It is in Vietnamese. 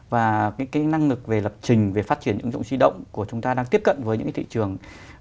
và cái năng lực về lập trình về phát triển ứng dụng di động của chúng ta đang tiếp cận với những cái thị trường